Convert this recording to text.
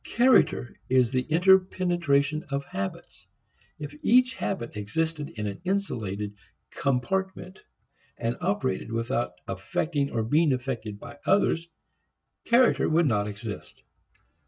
Character is the interpenetration of habits. If each habit existed in an insulated compartment and operated without affecting or being affected by others, character would not exist.